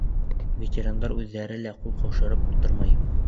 — Ветерандар үҙҙәре лә ҡул ҡаушырып ултырмай.